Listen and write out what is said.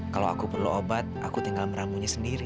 kalau aku perlu obat aku tinggal meramunya sendiri